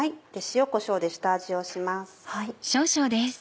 塩こしょうで下味をします。